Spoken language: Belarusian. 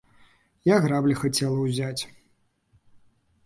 Я граблі хацела ўзяць!